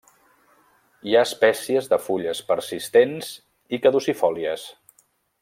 Hi ha espècies de fulles persistents i caducifòlies.